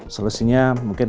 solusinya mungkin satu